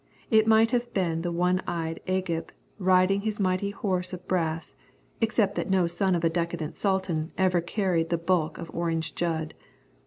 It might have been the one eyed Agib riding his mighty horse of brass, except that no son of a decadent Sultan ever carried the bulk of Orange Jud.